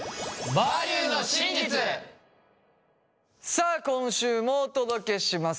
さあ今週もお届けします！